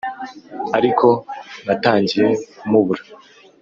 ariko natangiye kumubura